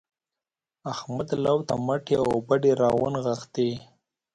احمد لو ته مټې او بډې راونغښتې.